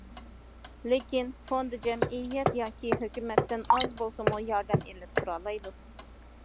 لېكىن فوند جەمئىيەت ياكى ھۆكۈمەتتىن ئاز بولسىمۇ ياردەم ئېلىپ تۇرالايدۇ.